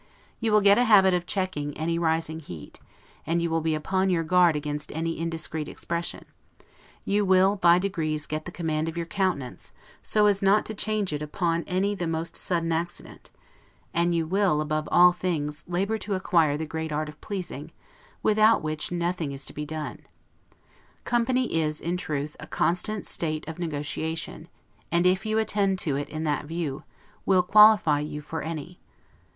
You will get a habit of checking any rising heat; you will be upon your guard against any indiscreet expression; you will by degrees get the command of your countenance, so as not to change it upon any the most sudden accident; and you will, above all things, labor to acquire the great art of pleasing, without which nothing is to be done. Company is, in truth, a constant state of negotiation; and, if you attend to it in that view, will qualify you for any.